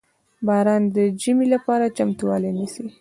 • باران د ژمي لپاره چمتووالی نیسي.